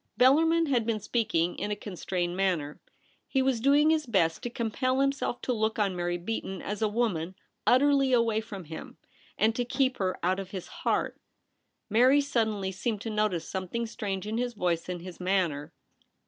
Bellarmin had been speaking in a con THE BOTHWELL PART. 295 Strained manner. He was dolnof his best to compel himself to look on Mary Beaton as a woman utterly away from him, and to keep her out of his heart. Mary suddenly seemed to notice something strange in his voice and his manner.